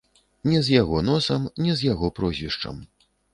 Не з яго носам, не з яго прозвішчам.